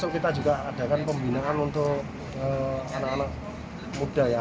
kita juga adakan pembinaan untuk anak anak muda ya